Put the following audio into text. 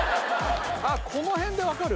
あっこの辺でわかる。